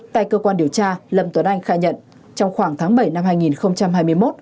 tại cơ quan điều tra lâm tuấn anh khai nhận trong khoảng tháng bảy năm hai nghìn hai mươi một